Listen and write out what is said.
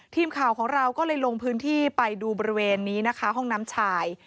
ทีมข่าวของเราก็เลยลงพื้นที่ไปดูบริเวณนี้นะคะห้องน้ำชาย